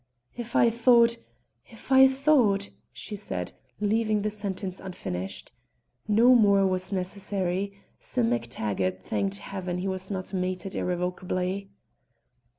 "If I thought if I thought!" she said, leaving the sentence unfinished. No more was necessary; Sim MacTaggart thanked heaven he was not mated irrevocably.